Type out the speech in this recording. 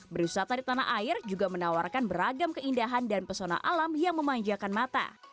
berwisata di tanah air juga menawarkan beragam keindahan dan pesona alam yang memanjakan mata